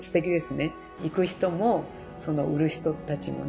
行く人もその売る人たちもね